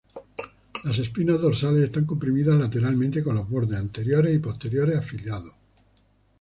Las espinas dorsales están comprimida lateralmente con los bordes anteriores y posteriores afilados.